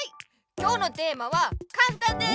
今日のテーマはかんたんです！